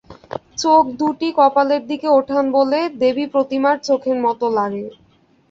চোখ দুটি কপালের দিকে ওঠান বলে-দেবী প্রতিমার চোখের মতো লাগে।